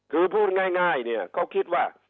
คือพูดง่ายเนี่ยเขาคิดว่า